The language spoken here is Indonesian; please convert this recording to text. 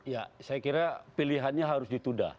ya saya kira pilihannya harus ditunda